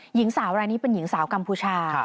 หญิงสาวรายนี้เป็นหญิงสาวกัมพูชา